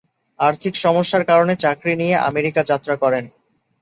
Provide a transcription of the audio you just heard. আর্থিক সমস্যার কারণে চাকরি নিয়ে আমেরিকা যাত্রা করেন।